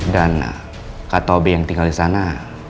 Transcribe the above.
dan kata ob yang tinggal disana